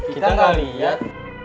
kita gak liat